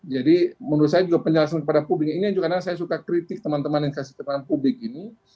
jadi menurut saya penjelasan kepada publik ini juga karena saya suka kritik teman teman yang kasih ketenangan publik ini